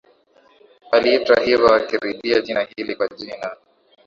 waliitwa hivyo wakiridhia jina hili kwa jina